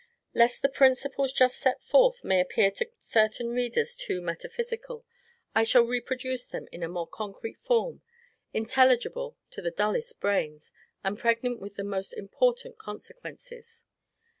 Lest the principles just set forth may appear to certain readers too metaphysical, I shall reproduce them in a more concrete form, intelligible to the dullest brains, and pregnant with the most important consequences.